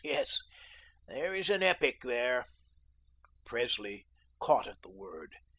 Yes, there is an epic there." Presley caught at the word.